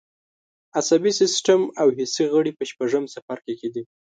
عصبي سیستم او حسي غړي په شپږم څپرکي کې دي.